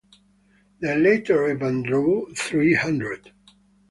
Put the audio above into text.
The later event drew three hundred.